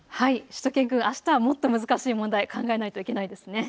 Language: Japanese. しゅと犬くん、あしたはもっと難しい問題、考えないといけないですよね。